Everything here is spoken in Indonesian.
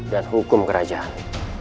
dan hukum kerajaan